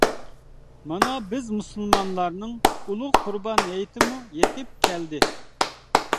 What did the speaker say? مانا بىز مۇسۇلمانلارنىڭ ئۇلۇغ قۇربان ھېيتىمۇ يېتىپ كەلدى.